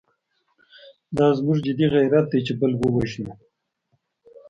دا زموږ جدي غیرت دی چې بل ووژنو.